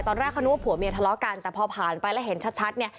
ตอนแรกเขานึกว่าผัวเมียทะเลาะกันแต่พอผ่านไปแล้วเห็นชัดเนี่ย